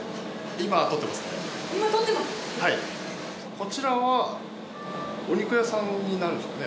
こちらはお肉屋さんになるんですかね。